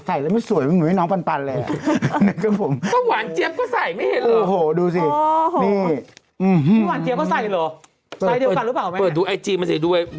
ใส่แล้วไม่สวยมึงเหมือนให้น้องปันเลย